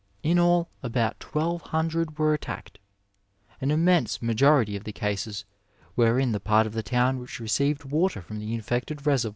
In all about twelve hundred were attacked. An immense majority of the cases were in the part of the town which received water from the infected reservoir.